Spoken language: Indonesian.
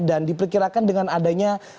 dan diperkirakan dengan adanya